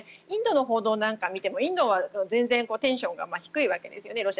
インドの報道なんかを見てもインドは全然テンションが低いわけですよね